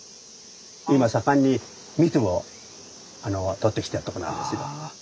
今盛んに蜜をとってきてるとこなんですね。